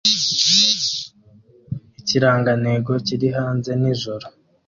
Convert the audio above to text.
ikirangantego kiri hanze nijoro